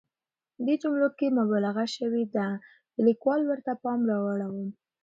دې جملو کې مبالغه شوې ده، د ليکوال ورته پام رااړوم.